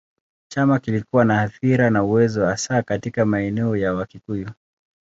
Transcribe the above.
Chama kilikuwa na athira na uwezo hasa katika maeneo ya Wakikuyu.